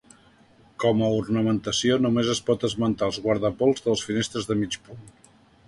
Com a ornamentació només es pot esmentar els guardapols de les finestres de mig punt.